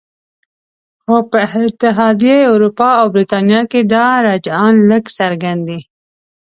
خو په اتحادیه اروپا او بریتانیا کې دا رجحان لږ څرګند دی